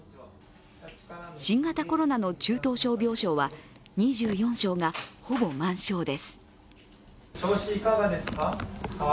新型コロナの中等症病床は２４床がほぼ満床です。